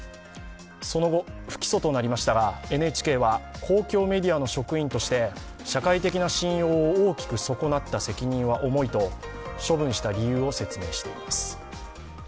その後、不起訴となりましたが、ＮＨＫは公共メディアの職員として社会的な信用を大きく損なった責任は重いと、処分した理由を説明しています。